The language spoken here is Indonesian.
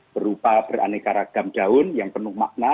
berupa beraneka ragam daun yang penuh makna